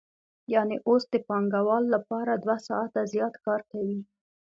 یانې اوس د پانګوال لپاره دوه ساعته زیات کار کوي